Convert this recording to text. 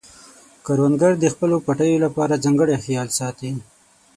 کروندګر د خپلو پټیو لپاره ځانګړی خیال ساتي